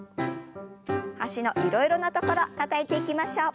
脚のいろいろな所たたいていきましょう。